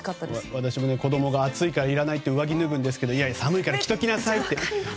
私も子供が暑いからいらないって上着を脱ぐんですが寒いから着ておきなさいと。